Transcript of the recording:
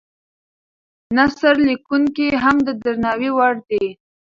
نثر لیکونکي هم د درناوي وړ دي.